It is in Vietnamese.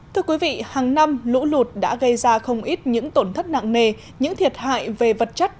thưa quý vị hàng năm lũ lụt đã gây ra không ít những tổn thất nặng nề những thiệt hại về vật chất